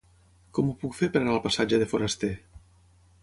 Com ho puc fer per anar al passatge de Forasté?